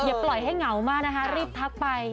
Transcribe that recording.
อย่าปล่อยให้เหงามากรีบทักไป